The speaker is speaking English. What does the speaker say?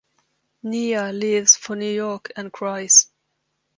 Niya leaves for New York and cries.